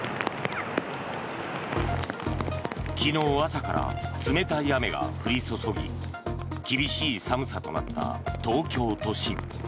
昨日朝から冷たい雨が降り注ぎ厳しい寒さとなった東京都心。